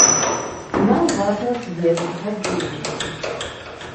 Нам важна зверыць гадзіннікі.